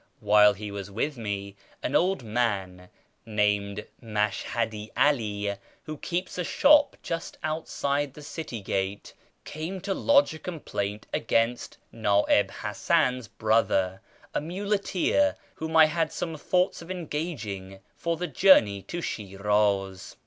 While he was with me, an old man named Mashhadi 'All, who keeps a shop just outside the city gate, came to lodge a complaint against Na'ib Hasan's brother, a muleteer whom I had some thoughts of engaging for the journey to Shiraz.